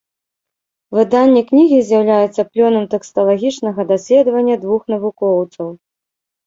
Выданне кнігі з'яўляецца плёнам тэксталагічнага даследавання двух навукоўцаў.